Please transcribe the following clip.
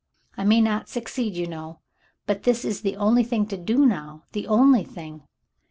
I may not succeed, you know, but this is the only thing to do now — the only thing."